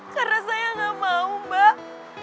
karena saya gak mau mbak